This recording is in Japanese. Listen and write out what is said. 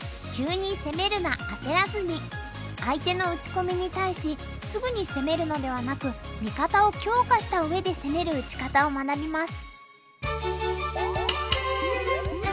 相手の打ち込みに対しすぐに攻めるのではなく味方を強化したうえで攻める打ち方を学びます。